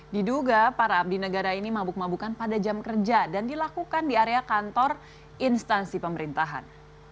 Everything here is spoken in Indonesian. diduga para abdi negara ini mabuk mabukan pada jam kerja dan dilakukan di area kantor instansi pemerintahan